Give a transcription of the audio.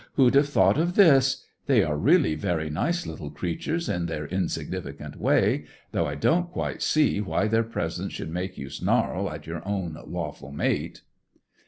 Who'd have thought of this! They are really very nice little creatures, in their insignificant way, though I don't quite see why their presence should make you snarl at your own lawful mate."